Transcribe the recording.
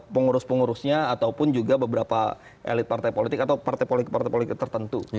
pengurus pengurusnya ataupun juga beberapa elit partai politik atau partai politik partai politik tertentu